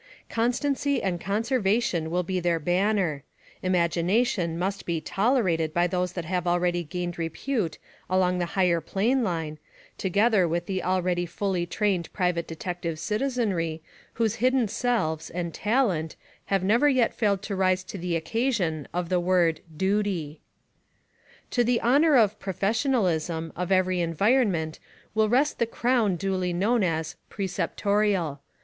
Constancy and conservation will be their banner; imagination must be tolerated by those that have already gained repute along the higher plane line, together with the already fully trained private detective citizenry whose hidden selves, and talent, have never yet failed to rise to the occasion of the word "duty." To the honor of "professionalism" of every environment will rest the crown duly known as "preceptorial."